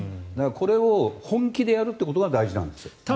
これを本気でやるということが大事なんです。